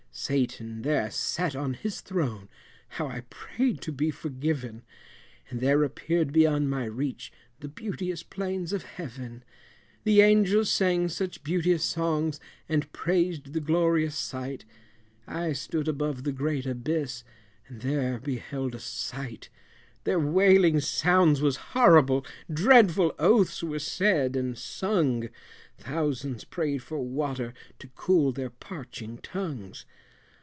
Satan there sat on his throne, how I prayed to be forgiven, And there appear'd beyond my reach, the beauteous plains of Heaven! The Angels sang such beauteous songs, and praised the glorious sight, I stood above the great abyss, and there beheld a sight, Their wailing sounds was horrible, dreadful oaths were said and sung, Thousands prayed for water, to cool their parching tongues!